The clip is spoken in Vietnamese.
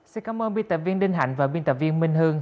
xin cảm ơn biên tập viên đinh hạnh và biên tập viên minh hương